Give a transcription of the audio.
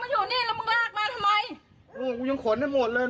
ไปดีสายแหว่นนี้